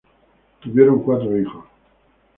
Tuvieron cuatro hijos.